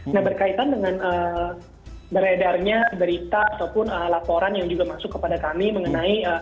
nah berkaitan dengan beredarnya berita ataupun laporan yang juga masuk kepada kami mengenai